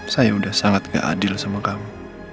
saya udah sangat gak adil sama kamu